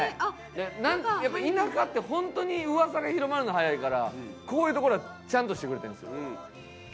田舎ってホントに噂が広まるの早いからこういうところはちゃんとしてくれてるんですよ。